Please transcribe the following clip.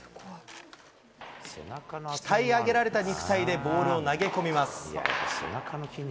鍛え上げられた肉体でボールを投げ込みます。